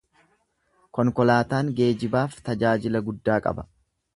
Konkolaataan geejibaaf tajaajila guddaa qaba.